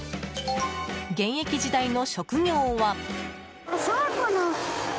現役時代の職業は。